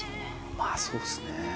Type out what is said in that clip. まあそうっすね